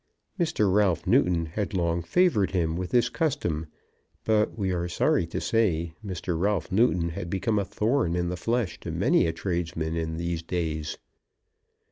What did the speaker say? Mr. Ralph Newton had long favoured him with his custom; but, we are sorry to say, Mr. Ralph Newton had become a thorn in the flesh to many a tradesman in these days.